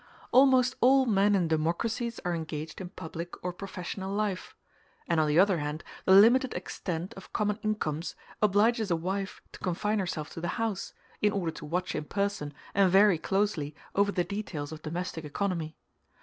Almost all men in democracies are engaged in public or professional life; and on the other hand the limited extent of common incomes obliges a wife to confine herself to the house, in order to watch in person and very closely over the details of domestic economy.